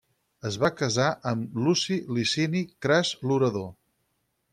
Es va casar amb Luci Licini Cras l'orador.